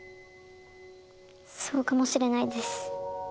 そうかもしれないです。